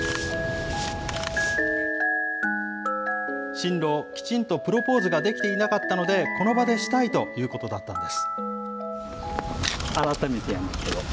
新郎、きちんとプロポーズができていなかったので、この場でしたいということだったんです。